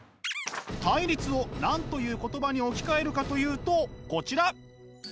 「対立」を何という言葉に置き換えるかというとこちら！